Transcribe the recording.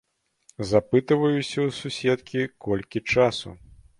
Запытваюся ў суседкі, колькі часу.